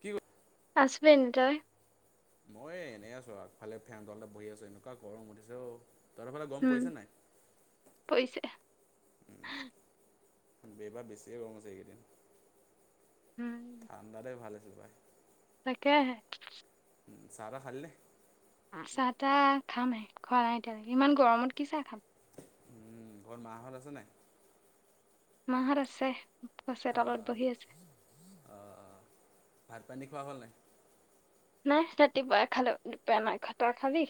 কি আছবেন তই। মই এনে আছো আগফালে ফেন তলতে বহি আছো এনেকুৱা গৰম উঠিছেও। উম পইছে। এইবাৰ বেছিহে গৰম আছে এইকেইদিন, উম ঠাণ্ডাতে ভাল আছিল ভাই। কে হে। চাতাহ খালিনে? চাহ তাহ খামহে খোৱা নাই এতিয়ালৈকে ইমান গৰমত কি চাহ খাম। উম ঘৰত মাহঁত আছে নাই? মাহত আছে আছে চোতালত অ', বহি আছে। অ', ভাত পানী খোৱা হল নাই? নাই ৰাতিপুৱাও খালোঁ, দুপৰীয়া মা খোৱা নাই, তই খালি?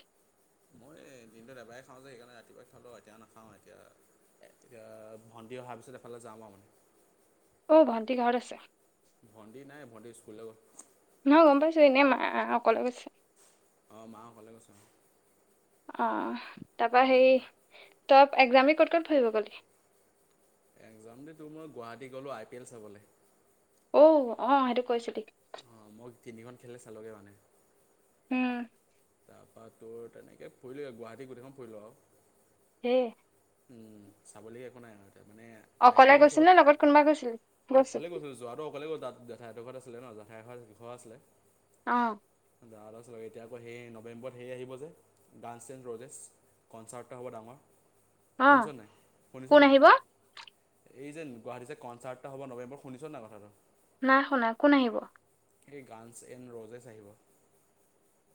মই এ দিনটোত এবাৰেই খাওঁ যে সেইকাৰণে ৰাতিপুৱাই খাওঁ লওঁ এতিয়া নাখাওঁ এতিয়া ৰু এতিয়া ভণ্টি অহাৰ পিছত এফালে যামা মানে অ, ভণ্টি ঘৰত আছে। ভণ্টি নাই ভণ্টিৰ স্কুলৰত নহ গম পাইছো এনে মা অকলে গৈছে। অ, মা অকলে গৈছে। অ, তাৰপা হেই তপ এক্সাম ক'ত-ক'ত ফুৰিব গলি এক্সাম দি তোৰ মই গুৱাহাটী গ'লো আই পি এল চাবলে। অ', অ', সেইটো কৈছিলি। অ', মই তিনিখন খেলে চালোগে মানে। উম, বা তোৰ তেনেকৈ ফুৰিলোঁ গুৱাহাটী গোটেইখন ফুৰিলোঁ আৰু হেই উম, চাবলৈ একো নাই আৰু। তাৰ মানে আই পি অকলে এ গৈছিল চালো নে লগত কোনোবা গৈছিলি গৈছিল অকলে গৈছোঁ যোৱাটো অকলে গৈ তাত জেঠাইহঁতৰ ঘৰত আছে। আছিলে ন জাঠাইৰ ঘৰ আছিলে। অ ', তাৰপছ এতিয়াকৌ সেই নৱেম্বৰত সেই আহিব যে ডান্চে ৰজেছ। কনচাৰ্ট এটা হ'ব ডাঙৰ। অ, শুনিছ নাই শুনিছ কোন নাই আহিব? এই যে গুৱাহাটীতে কনচাৰ্টটা হব নৱেম্বৰৰত শুনিছ নাই কথাটো। নাই শুনা কোন আহিব? এই গানছ এন ৰ'জে চ আহিব।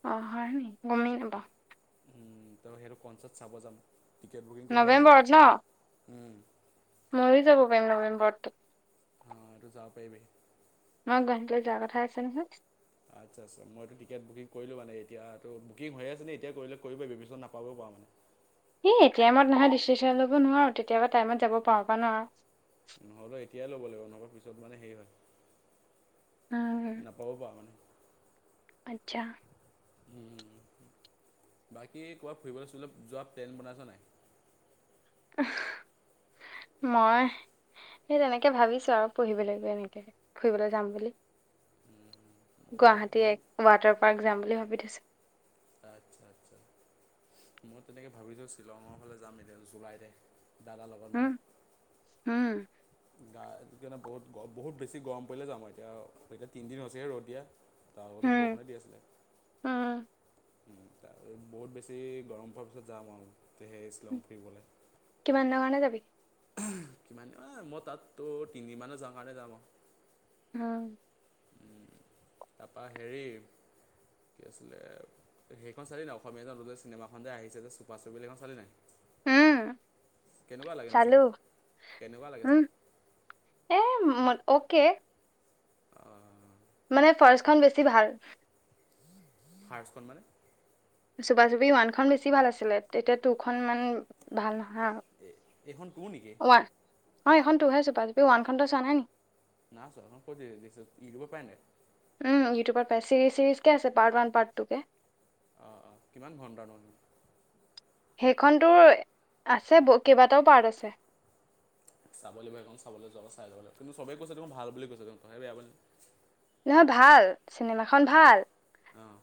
অ হয়নি গমেই নাপাওঁ। উম, ত সেইটো কনচাৰ্ট চাব যাম, টিকেট বুকিং কৰি থোৱা আছে, উম। মইও যাব পাৰিম নৱেম্বৰত। অ সেইটো যাব পাৰিবি। মই গুৱাহাটীলে যোৱা কথা আছে নহয়। আচ্ছা আচ্ছা মইতো টিকেট বুকিং কৰিলো মানে, এতিয়াটো বুকিং হৈ আছিলে এতিয়া কৰিলে কৰিব পাৰিবি, পিছত নাপাব পাৰ। অ', এই এতিয়া নহয় দিচেশন ল'ব নোৱাৰোঁ তেতিয়াবা টাইমত যাব পাৰো বা নোৱাৰোঁ। নহ'লেও এতিয়াই ল'ব লাগিব নহলে পিছত মানে হেৰি হয়। উম নাপাব পাৰ মানে আচ্ছা, উম, বাকী ক'ৰবাত ফুৰিবলৈ সুৰিবলে যোৱা প্লেন বনাইছ নাই। মই সেই তেনেকে ভাবিছো আৰু পঢ়িব লাগিব এনেকে ফুৰিবলৈ যাম বুলি। মই ভাবি গুৱাহাটী মই এক ৱাটাৰ পাৰ্ক যাম বুলি ভাবি থৈছোঁ। আচ্ছা-আচ্ছা, মই তেনেকে ভাবিছো শ্বিলঙৰ ফালে যাম এতিয়া জুলাইতে। দাদাৰ লগত উম মানে, উম গাণে বহুত-বহুত বেছি গৰম পৰিলে যাওঁ আৰু এতিয়া এতিয়া তিনিদিন হৈছেহে ৰ'দ দিয়া। তাৰ লগতো উম বৰষুণে দি আছিলে। উম ত বহুত বেছি গৰম পোৱাৰ পিছত যাম আৰু। তে সেই শিলং ফুৰিবলে। কিমান দিনৰ কাৰণে যাবি কিমান মই তাতো তিনদিন মানৰ যাওঁ কাৰণে যাম আৰু। উম, তাৰপৰা হেৰি কি আছিলে সেইখন চালি নাই অসমীয়া নতু চিনেমাখনতে আহিছে যে চুপা-চুপিসেইখন চালি নাই। উম কেনেকুৱা লাগেনো চালো ছাই কেনেকুৱা লাগে উম ছাই। এ ম অকে অ' মানে ফৰেষ্টখন বেছি ভাল। ফাৰ্ষ্ট খন মানে চুবা-চুপি ওৱানখন বেছি ভাল আছিলে তেতিয়া টুখন ইমান ভাল নহয় আৰু। এই এইখন টো নেকি? অ', এইখন টোহেছো পাপি ওানখন চোৱা নাই নি নাছ কছ ই ৰব পেট [unintelligible] উম ইউটিউবত চিৰিজ চিৰিজ কে আছে পাৰ্ ওৱান পাৰ্ট কে অ', অ', কিমান ঘণ্টাৰ মান সেইখনতো আছে কেইবাটাও পাৰ্ট আছে চাব লাগিব সেই চাবলৈ যাব চাই যাব লাগিব কিন্তু চবেই কৈছে ত মোক ভাল বুলি কৈছ সেই বেয়াব ন ভাল চিনেমাখন ভাল আহ,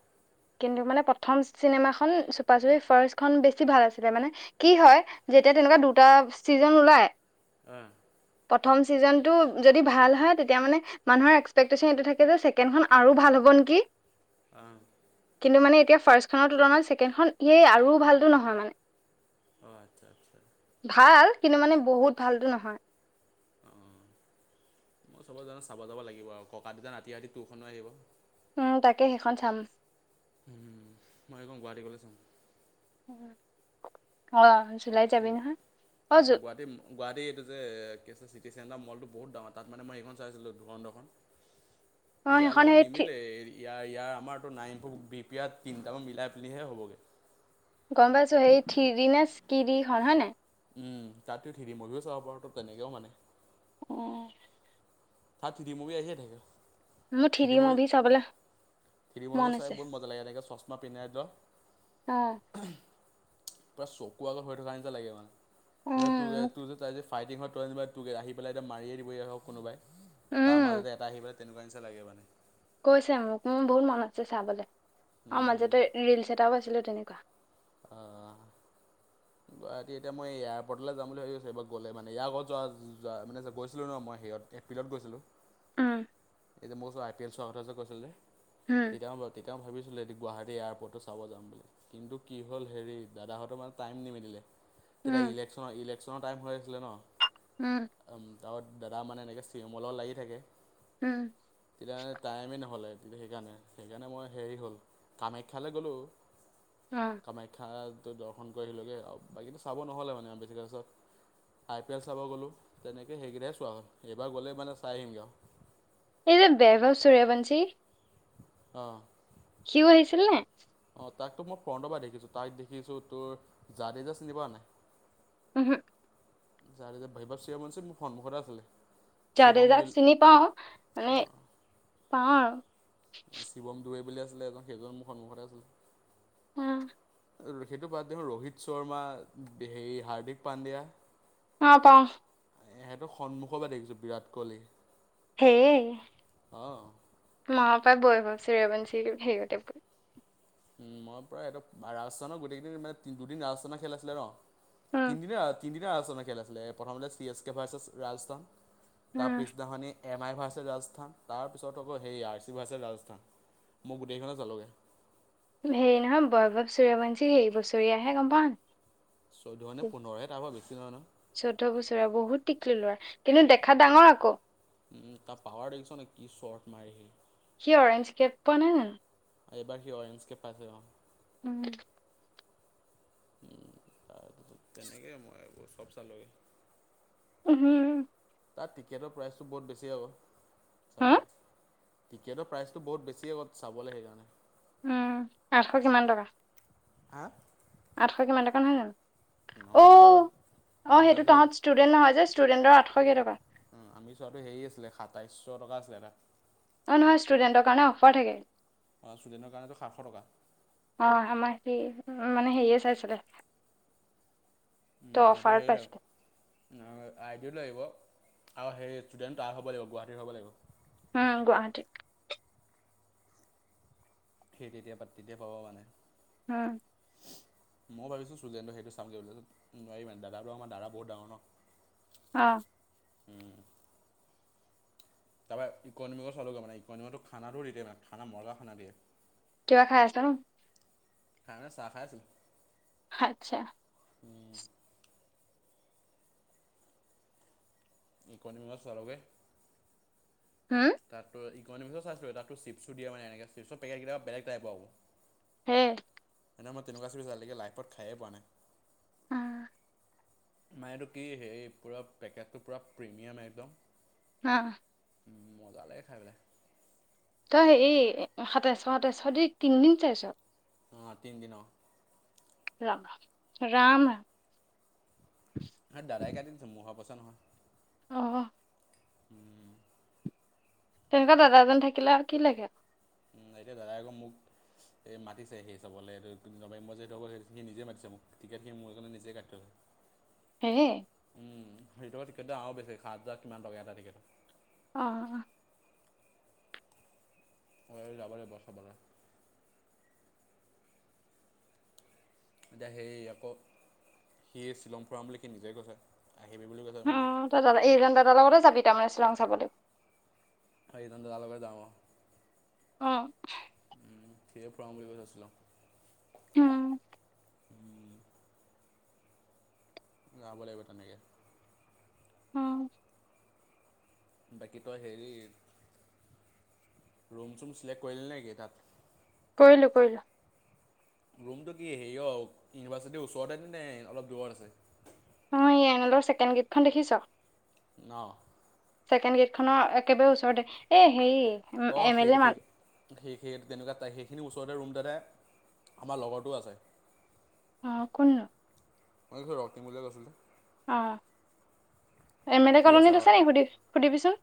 কিন্তু মানে প্ৰথম চিনেমা খন চুপা চুপি ফাৰ্ষ্ট খন বেছি ভাল আছিলে মানে কি হয় যেতিয়া তেনেকুৱা দুটা ছিজন ওলাই হুম, প্ৰথম ছিজন টো যদি ভাল হয়, তেতিয়া মানে মানুহৰ একস্কপেক্ট এইটো থাকে যে ছেকেণ্ডখন আৰু ভাল হ'ব নেকি? আহ। কিন্তু মানে এতিয়া ফাৰ্ষ্টখনৰ তুলনাত ছেকেণ্ডখন সেই আৰু ভালটো নহয় মানে অঁ আচ্ছা আচ্ছা ভাল কিন্তু মানে বহুত ভালতটো নহয় অ', মই চব জানে চাব যাব লাগিব আৰু ককা দুটা ৰাতি ৰাতি তখনো আহিব উম, তাকে সেইখন চাম উম, মই গুৱাহাটী গলে ছাম উ অ [unintelligible] উ নহয়? অ', জু গুৱাহাটী গুৱাহাটী এইটো যে কি চিটি ডা মলটো বহুত ডাঙৰ তাত মানে মই এইখন চাই আছিলোঁ ধুৰন্ধৰখন। অ', য়াৰ সেইখন লগত সেই থ্ৰী নিমিলে ইয়াৰ, ইয়াৰ আমাৰতো [unintelligible] তিনিটামান মিলাই পেলিহে হ'বগৈ গম পাইছো, সেই থিৰিজিনে চিদি হয় ন উম তাতে থ্ৰিদি মুডতচাব পাৰো তো তেনেকেও মানে অ', চাত থি মি আহছে থাক [unintelligible] ম ঠৰি ম বি চবলৈ [unintelligible] [unintelligible] চাই বহুত মজা লাগে এনেকৈ চশমা পিন্ধা অ', পুৰা চকু আগৰ হৈ থকা নি লাগে মানে উম, তোৰ মোক তোৰ যে তাই যে ফাইটিঙত আহি পেলাই এতিয়া মাৰিয় দিব হক কোনোবাই তাৰ উম, মাজতে এটা আহি পেলাই তেনেকুৱা নিচা লাগে মানে কৈছে মোক মোৰ বহুত মন আছে চাবলৈ আৰু মাজতে ৰিলচ এটাও পাইছিলো তেনেকুৱা অ', গুৱাহাটী এতিয়া মই এয়াৰপৰ্টলৈ যাম বুলি ভাবিছো এইবাৰ গ'লে মানে ইয় আগত যোৱা যোৱা মানে গৈছিলো ন মই স এপ্ৰিলত গৈছিলোঁ। অ', এতিয়া মোক ওচৰত আই পি এল চোৱাৰ কত যে কৈছিলে যে উম, তেতিয়াও তেতিয়াও ভাবিছিলো গুৱাহাটী এয়াৰপৰ্টটো চাব যাম বুলি কিন্তু কি হ'ল হেৰি দাদাহঁতৰ মানে টাইম নিমদিলে তেতিয়া উম, ইলেকশ্যনৰ ইলেকশ্যনৰ টাইম হৈ আছিলে ন উম, তাৰপ দাদা মানে এনেকৈ চিমলও লাগি থাকে উম, তেতিয়া মানে টাইমেই নহ'লে গতি সেইকাৰণে সেইকাৰণে মই হেৰি হ'ল কামাখ্যালৈ গ'লোঁ অ'। কামাখ্যাটো দৰ্শন কৰি আহিলোঁ গৈ আৰু বাকীতটো চাব নহ'লে মানে আম বেছিছ আই পি এল চাব গ'লোঁ তেনেকৈ সেইকেইটহে চোৱা হ'ল এইবাৰ গ'লেই মানে চাই আহিমগৈ আৰু এই যে বৈভৱ চূৰয়বঞ্চি আহ', সিও আহিছিল নে অ', তাকতো মই ফ্ৰণ্টৰ পৰা দেখিছোঁ তাইক দেখিছোঁ তোৰ যা দেেই যা চিনি পোৱা নাই উহো [unintelligible] মোৰ সন্মুখতে আছিলে যাদে শিৱম দাক দুল চিনি পাওঁ মানে অঁ পাওঁ শিৱম দুৱে বুলি আছিলে এজন সেইজন মুখত মুখতে আছিল অ সেইটো বদ দিওঁ ৰোহিত শৰ্মা হেৰি হাৰ্দিক পাণ্ডিয়া অ পাওঁ সেহেতক সন্মুখৰ পৰা দেখিছোঁ বিৰাট কোহলি হেই অঁ মপ হয় বৈভৱ চিৰেৱঞ্চি হেৰিতে [unintelligible] উম মই প্ৰায় এহতক ৰাজস্থানৰ গোটেইকেইদিন মানে তিনি দুদিন ৰাজস্থানৰ খেল আছিলে ন উম তিনিদিনে তিনিদিনে ৰাজস্থানৰ খেল আছিলে প্ৰথম C S K versus Rajasthan উম তাৰ পিছদিনাখনি এম আই ভাৰ্চেল ৰাজস্থান তাৰ পিছত আকৌ সেই আৰ চি ভাৰ্চেছ ৰাজস্থান মই গোটেই কেইখনত চালগে হেৰি নহয় বৈৱ সূৰবঞ্চী হেৰি বছৰিয়া আহে গম পাওঁ চৈধ্য নে পোন্ধৰহে তাৰপৰা বেছি নহয় নহয় চৈধ্যয় বছৰীয়া বহুত [unintelligible] কিন্তু দেখা ডাঙৰ আকৌ উম তাৰ পাৱাৰ দেখিছ নে কি শৰ্ট মাৰিহি। কি অৰেঞ্জ কেব পোৱা নাই জানো। এইবাৰ কি অৰেঞ্চ কে পাছে অঁ উম উম তেনেকে মই [unintelligible] উম তাত টিকেটৰ প্ৰাইচটো বহুত বেছি হয় আক হা চাবুৱাত। টিকেটৰ প্ৰাইচটো বহুত বেছি আগ চাবলৈ সেইকাৰণে। উম আঠশ কিমান টকা। হা আঠশ কিমান টকা নহয় জানো? অ, নহয় আমি অ মই সেইটো চাইছিলোঁ তহত ষ্টুডেন্ট নহয় যে, ষ্টুডেণ্টৰ আঠশ কেইটকা, উ আমি চোৱাটো হেৰি আছিলে সাতাইশ টকা আছিলে এটা। নহয় নহয় ষ্টুডেন্টৰ কাৰণে অফাৰ থাকে। ষ্টুডেণ্টৰ কাৰণেতো সাতশ টকা। উ মানে হেৰিয়ে চাইছিলে। ত উম এইটো অফাৰত সেই ল পাইছিলে আৰু আইডি লাগিব, আৰু হেৰি, ষ্টুডেণ্ট তাৰ হ'ব লাগিব। গুৱাহাটীৰ হ'ব লাগিব। উম, গুৱাহাটীত। ঠিক, এতিয়া পাতিতে পাব মানে। হ'ম। মই ভাবিছোঁ ষ্টুডেণ্টৰ সেইটো চামগৈ, লৈ লবি নোৱাৰি মানে। দাদাৰ পৰা আমাৰ দাদা বহুত ডাঙৰ ন। আ'। উম। তাৰপৰা ইকনিমক চাব যোৱা, মানে ইকনমিকতো খানাটো ৰেদি দিয়া নাই। খানা মজা খানা দিয়ে। কিবা খাই আছা নকি? টাউনত চাহ খাই আছো। আচ্ছা। উম,। ইকনমিকত ছালাযে। [inaudible] হম তাতো ইকনমিকত চাইছিলো। তাতো চিপছো দিয়ে মানে, এনেকে চিপৰ পেকেট কেইটা বেলেগ টাইপৰ আৰু। হে। এনেও মই, তেনেকুৱা চুইজ আজিলেকে লাইভত খাইয়ে পোৱা নাই। অ। আমাৰ এইটো কি হেৰি পুৰা পেকেটটো পুৰা প্ৰিমিয়াম একদম। অ। উম, মজা লাগে খাই পেলাই। তই হেৰি, সাতাইশ সাতাইশ দি তিনদিন চাইছ? অ'' তিনদিন অ। ৰাম ৰাম। দাদাই কাটি‌ দিছে, মোৰ ভাগৰ পইছা নহয়। অ'অ'। উম। তেনেকুৱা দাদা এজন থাকিলে আৰু কি লাগে? উম, এতিয়া দাদাই আক মোক এই মাতিছে হেৰি চাবলে, এইটো নৱেম্বৰত যে যিটো হব, সি নিজে মাতিছে মোক। টিকেটখিনি মোৰ কাৰণে নিজে কাটি থৈ। হে এ। আকৌ সেইটো আৰু বেছি, সাত হাজাৰ কিমান টকীয়া এটা টিকেটত। অ। ঐ যাব লাগিব চাবলে। এতিয়া হেই আকৌ সি শ্বিলং ফুৰাম বুলি সি নিজে কৈছে। আহিবি বুলি কৈছে মানে উম তই দাদা এইজন দাদাৰ লগতে যাবি তাৰমানে শ্বিলং চাবলে? অ এইজন দাদালগতে যাওঁ অ। অ উম, সিয়ে ফুৰাম বুলি কৈছে শ্বিলং। উম যাব লাগিব তেনেকে। উম বাকী তই হেৰি ৰুম-চুম চিলেক্ট কৰিলি নেকি তাত? কৰিলোঁ কৰিলোঁ ৰুমটো কি হেৰি অ' ইউনিভাৰচিটি ওচৰতে নে, অলপ দূৰত আছে? মই য়েনেণ্ডৰ ছেকেণ্ড গেটখন দেখিছ অ ছেকেণ্ড গেট খনৰ একেবাৰে ওচৰতে, এ হেই অ সেইটো সেই সেই সেই সেই তেনেকুৱা তাহি সেইখিনি বস তহঁতৰ ৰুম এটাতে আমাৰ লগৰটো আছে। অ কোননো? মই কিছো ৰক্টিম বুলিয়ে কৈছিলে অ এম এল এ সিও কলনীত আছে নি সুধি সুধিবিচোন।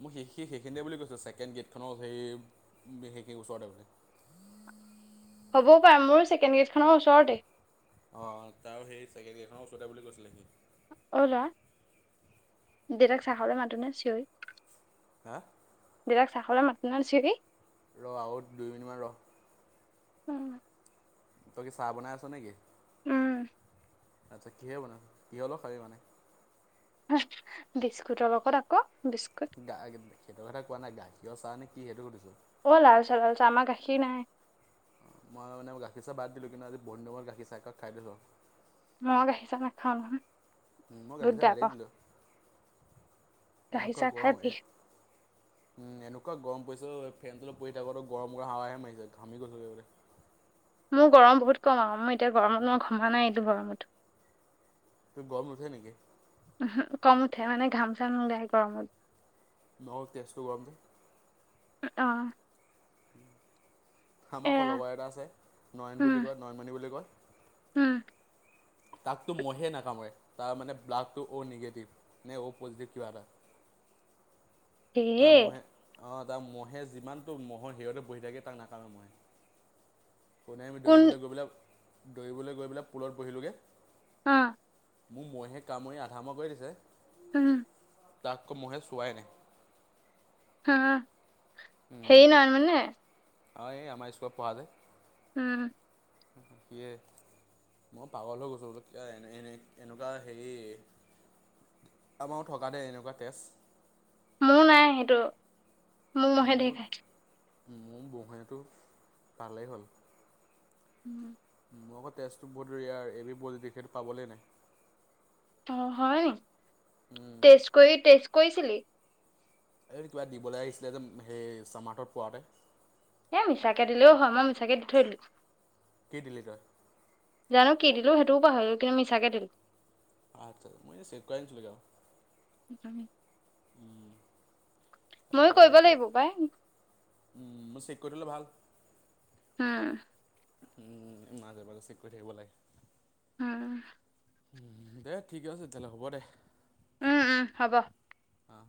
মই সেই সেই সেইখিনিতে বুলি কৈছে ছেকেণ্ড গেটখনৰ সেই সেইখিনি ওচৰতে বোলে [unintelligible] হবও পই মোৰো ছেকেণ্ড গেডখনৰ ওচৰতে অ তাৰ সেই চেকেণ্ড গেটখনৰ ওচতে বুলি কৈছিলে সি অ লৰা, দেউতাক চাহলৈ মাতোনে চিঞৰি? হা? দেতাক চাহলে মাতোনে চিঞৰি? ৰ আও দুই মিনিট মান ৰহ। উম। তই কি চাহ বনাই আছ নেকি? উম। আচ্ছা কিহে বনা, কিহৰ লগত খাবি মানে? বিস্কুটৰ লগত আক। গা সেইটো কথা কোৱা নাই গাখীৰ চাহ নে কি সেইটো সুধিছো? অ', লালচা লালচা আমাৰ গাখীৰ নাই। মই মানে, গাখীৰ চাহ বাদ দিলো। কিন্তু, আজি মন নগ'ল গাখীৰ চাহ একাপ খাই দিলোঁ। মই গাখীৰ চাহ নাখাওঁ। মই, বহুত গাখীৰ চাহ বেয়া বাদেই পাওঁ দিলো। গাখীৰ এনেকুৱা চাহ খাই গৰম হে, বিষ উম এনেকুৱা গৰম পাৰিছে। ফেনটো [unintelligible] থাকো গৰম কৰা হাৱাহে মাৰিছে ঘামি গৈছোএকেবাৰে। মোৰ গৰম বহুত কম আৰু মই এতিয়া গৰমত মই ঘমা নাই এইটো গৰমতো। তোৰ গৰম নুঠে নেকি? উম' হোক। কম উঠে মানে ঘাম চাম নোলায় গৰমত। [unintelligible] গৰম উঠে। অহ'। আমাৰ লগৰ এটা আছে নয়ন উম বুলি কয়, নয়নমণি বুলি কয়। উম তাকতো মহে নাকামুৰে, তাৰ মানে ব্লাডটো অ' নিগেটিভ নে অ' পজিটিভ কিবা এটা। [unintelligible] এহ। অহ' তাৰ মহে যিমানটো মহ'ৰ হেতে বহি থাকে তাক নাকামোৰে মহে। কোনে আমি কোন দৌৰিবলৈ গৈ পেলাই, দৌৰিবলৈ গৈ পেলাই পুলত পঢ়িলোগে। অহ'। মোক মহে কামুৰি আধা মৰা কৰি দিছে। উম'। তাককো মহে চোৱাই নাই। অহ' সেই নহয় মানে। অহ' এক আমাৰ স্কুলত পঢ়া যে। উম'। সেয়েই। মই পাগল হৈ গৈছোঁ, এতিয়া এনে এনে এনেকুৱা হেৰি। আমাৰো থকা দেই এনেকুৱা তেজ। মোৰ নাই সেইটো, মোক মহে মোৰ ধেৰ খাই। মোৰ মহেটো পালেই হ'ল। উম'। মোৰ আকৌ টেষ্টটো বহুত ৰিয়িৰ এ বি পজিটিভ সেইটো পাবলৈই নাই। অহ' হয় উম টেষ্ট কৰি টেষ্ট কৰিছিলি নেকি। এই কিবা দিবলৈ আহিছিলে যে সেই ছামাৰ্টত পোৱাতে। এ মিছাকে দিলেও হয়, মই মিছাকে দি থৈলো। কি দিলি তই। জানো কি দিলো, সেইটোও পাহৰিলো কিন্তু মিছাকে দিলো। আচ্ছা মই যে চেক কৰাই আনিছিলোঁ গা আমি। উম'। ময়ো কৰিব লাগিব পাই। উম' মই চেক কৰি থলো ভাল। হম। উম' মাজে মাজে চেক কৰি থাকিব লাগে। উম'। উম' দে ঠিক আছে তেনে হ'ব দে। উম', উম' হ'ব। অঁ